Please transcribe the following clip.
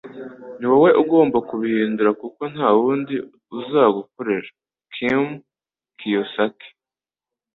ni wowe ugomba kubihindura kuko ntawundi uzagukorera. ”- Kim Kiyosaki